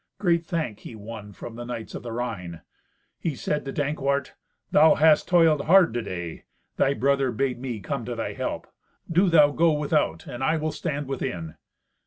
Great thank he won from the knights of the Rhine. He said to Dankwart, "Thou hast toiled hard to day. Thy brother bade me come to thy help. Do thou go without, and I will stand within."